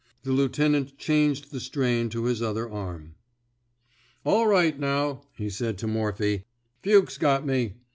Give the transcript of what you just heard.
The lieutenant changed the strain to his other arm. All right, now," he said to Morphy. '' Fuchs' got me.